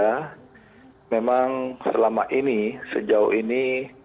karena memang selama ini sejauh ini